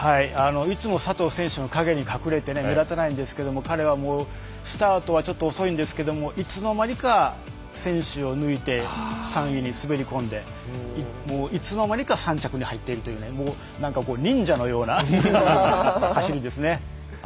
いつも佐藤選手の影に隠れて目立たないんですけど彼はスタートはちょっと遅いんですがいつの間にか選手を抜いて３位に滑り込んでいつの間にか３着に入っている忍者のような走りですね。